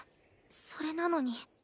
それなのに。